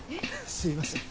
すいません。